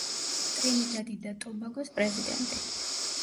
ტრინიდადი და ტობაგოს პრეზიდენტი.